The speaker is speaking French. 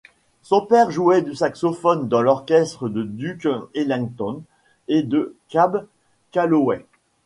Son père jouait du saxophone dans l'orchestre de Duke Ellington et de Cab Calloway.